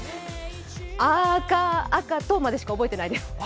あかあかとまでしか覚えてないです。